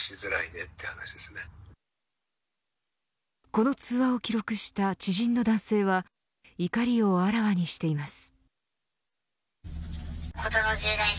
この通話を記録した知人の男性は怒りをあらわにしています。